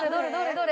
どれ？